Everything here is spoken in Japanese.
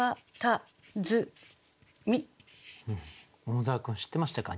桃沢君知ってましたか？